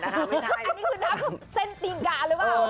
หนัพเส้นตีการึป่าว